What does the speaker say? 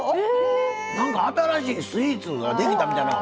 何か新しいスイーツができたみたいな。